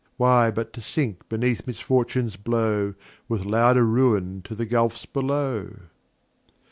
Why but to sink beneath Misfortune's Blow, With louder Ruin to the Gulphs below?